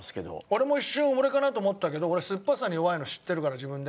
俺も一瞬「俺かな？」と思ったけど俺すっぱさに弱いの知ってるから自分で。